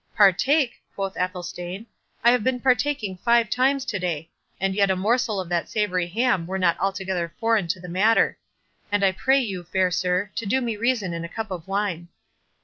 "Partake!" quoth Athelstane; "I have been partaking five times to day—and yet a morsel of that savoury ham were not altogether foreign to the matter; and I pray you, fair sir, to do me reason in a cup of wine."